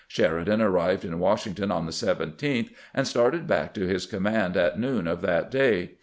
Sheridan arrived in Washington on the 17th, and started back to his command at noon of that day.